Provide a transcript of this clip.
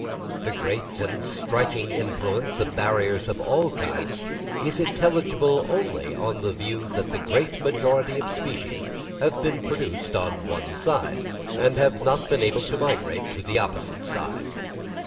The great and striking influence of barriers of all kinds, is intelligible only on the view that the great majority of species have been produced on one side, and have not been able to migrate to the opposite side.